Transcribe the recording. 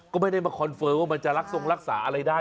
ก็ไม่ได้มาคอนเฟิร์มว่ามันจะรักทรงรักษาอะไรได้